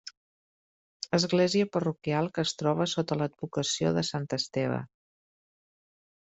Església parroquial que es troba sota l'advocació de Sant Esteve.